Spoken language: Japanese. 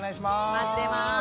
待ってます。